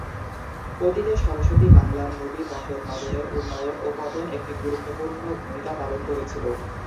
অতীতে সরস্বতী বাংলার নদী বন্দর নগরের উন্নয়ন ও পতন একটি গুরুত্বপূর্ণ ভূমিকা পালন করেছিল।